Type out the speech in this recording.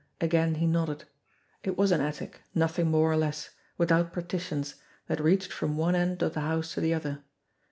Again he nodded. It was an attic, nothing more or less, without partitions, that reached from one end of the house to the other.